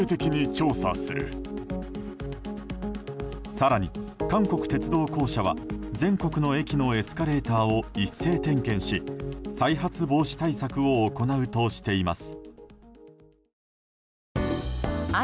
更に韓国鉄道公社は全国の駅のエスカレーターを一斉点検し、再発防止対策を行うとしています。